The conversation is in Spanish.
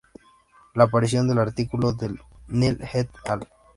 La aparición del artículo de Nell et al.